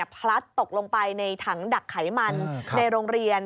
พลัดตกลงไปในถังดักไขมันในโรงเรียน